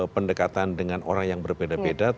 pendekatan dengan orang yang berbeda beda